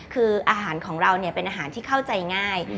คืออาหารของเราเป็นอาหารที่เข้าใจง่าย